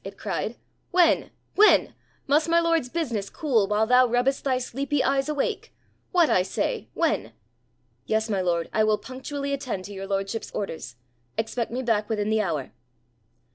it cried; 'when? when? Must my lord's business cool while thou rubbest thy sleepy eyes awake? What, I say! When? Yes, my lord, I will punctually attend to your lordship's orders. Expect me back within the hour.'